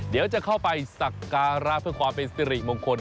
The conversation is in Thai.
เดี๋ยวจะเข้าไปสักการะเพื่อความเป็นสิริมงคล